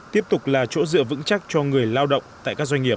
tiếp tục là chỗ dựa vững chắc cho người lao động tại các doanh nghiệp